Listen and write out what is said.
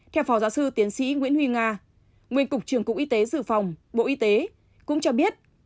theo phó giáo sư tiến sĩ nguyễn huy nga nguyên cục trưởng cục y tế dự phòng bộ y tế cũng cho biết